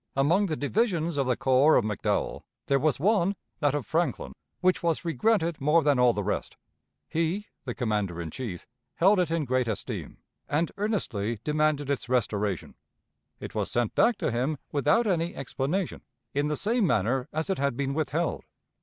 Among the divisions of the corps of McDowell, there was one that of Franklin which was regretted more than all the rest. ... He [the commander in chief] held it in great esteem, and earnestly demanded its restoration. It was sent back to him without any explanation, in the same manner as it had been withheld.